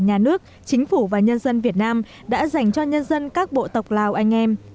nhà nước chính phủ và nhân dân việt nam đã dành cho nhân dân các bộ tộc lào anh em